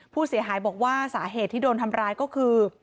ผู้เสียหายบอกว่าสาเหตุที่โดนทำร้ายก็คือ